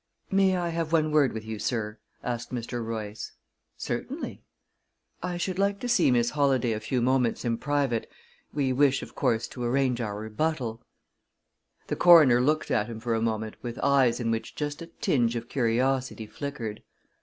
"May I have one word with you, sir?" asked Mr. Royce. "Certainly." "I should like to see Miss Holladay a few moments in private. We wish, of course, to arrange our rebuttal." The coroner looked at him for a moment with eyes in which just a tinge of curiosity flickered.